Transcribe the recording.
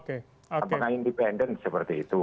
apakah independensi seperti itu